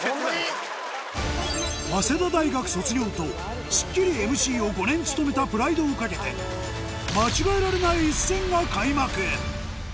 早稲田大学卒業と『スッキリ』ＭＣを５年務めたプライドを懸けて間違えられない一戦が開幕